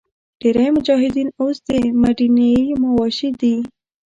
ډېری مجاهدین اوس د منډیي مواشي دي.